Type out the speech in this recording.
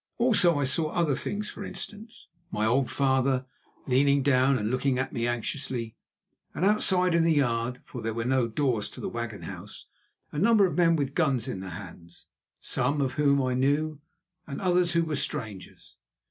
Also I saw other things; for instance, my old father leaning down and looking at me anxiously, and outside in the yard, for there were no doors to the wagon house, a number of men with guns in their hands, some of whom I knew and others who were strangers.